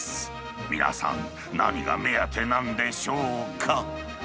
皆さん、何が目当てなんでしょうか。